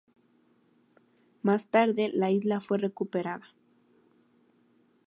Más tarde, la isla fue recuperada.